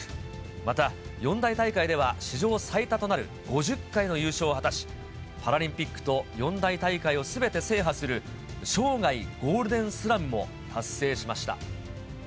また、四大大会では史上最多となる５０回の優勝を果たし、パラリンピックと四大大会をすべて制覇する、生涯ゴールデンスラムも達成しました。